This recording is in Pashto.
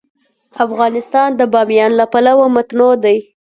افغانستان د بامیان له پلوه متنوع دی.